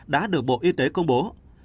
đã được bộ y tế công bố